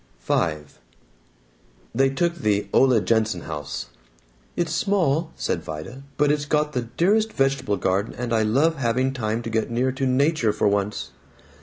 V They took the Ole Jenson house. "It's small," said Vida, "but it's got the dearest vegetable garden, and I love having time to get near to Nature for once."